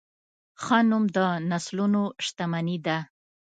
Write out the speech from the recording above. ښه نوم د نسلونو شتمني ده.